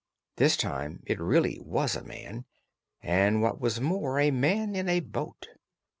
This time it really was a man, and what was more, a man in a boat.